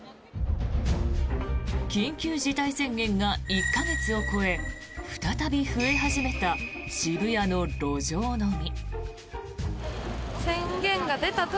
緊急事態宣言が１か月を超え再び増え始めた渋谷の路上飲み。